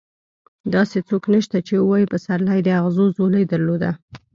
داسې څوک نشته چې ووايي پسرلي د اغزو ځولۍ درلوده.